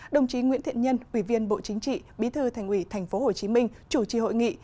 đồng chí nguyễn thiện nhân ủy viên bộ chính trị bí thư thành ủy tp hcm chủ trì hội nghị